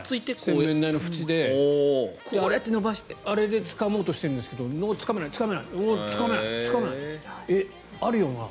洗面台の縁であれでつかもうとしてるんですがつかめない、つかめないえっ、あるよな？